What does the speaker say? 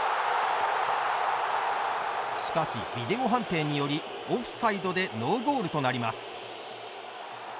しかし、ビデオ判定によりオフサイドでノーゴールとなります。